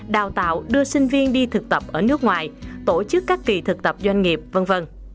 đào tạo đưa sinh viên đi thực tập ở nước ngoài tổ chức các kỳ thực tập doanh nghiệp v v